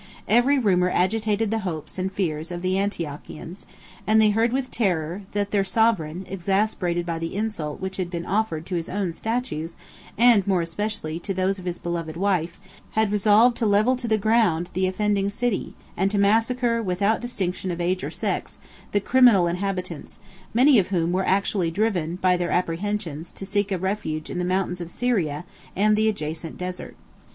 Every rumor agitated the hopes and fears of the Antiochians, and they heard with terror, that their sovereign, exasperated by the insult which had been offered to his own statues, and more especially, to those of his beloved wife, had resolved to level with the ground the offending city; and to massacre, without distinction of age or sex, the criminal inhabitants; 86 many of whom were actually driven, by their apprehensions, to seek a refuge in the mountains of Syria, and the adjacent desert.